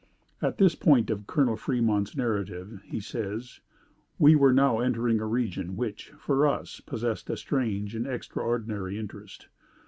At this point of Colonel Fremont's narrative, he says: "We were now entering a region which, for us, possessed a strange and extraordinary interest.